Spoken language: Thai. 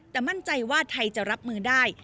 แต่มั่นใจว่าไทยจะรับมือได้